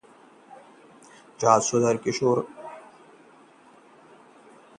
जुर्मः बाल सुधार गृह में किशोर ने लगाई फांसी